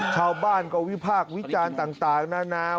ชาวบ้านก็วิพากษ์วิจารณ์ต่างนานา